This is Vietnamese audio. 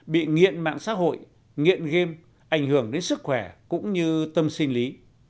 bị nghiện mạng xã hội nghiện game ảnh hưởng đến sức khỏe cũng như tâm sinh lý